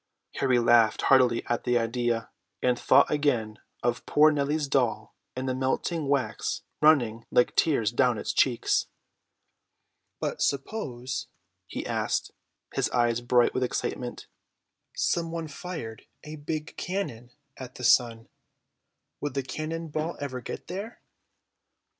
Harry laughed heartily at the idea, and thought again of poor Nellie's doll and the melting wax running like tears down its cheeks. "But suppose," he asked, his eyes bright with excitement, "someone fired a big cannon at the sun. Would the cannon ball ever get there?"